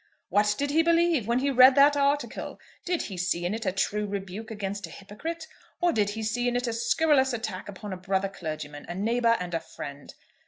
"What did he believe? When he read that article, did he see in it a true rebuke against a hypocrite, or did he see in it a scurrilous attack upon a brother clergyman, a neighbour, and a friend?